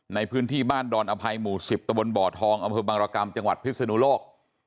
ในพื้นที่บ้านดอนอภัยหมู่๑๐ตะบนบ่อทองอำเภอบังรกรรมจังหวัดพิศนุโลก